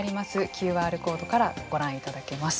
ＱＲコードからご覧いただけます。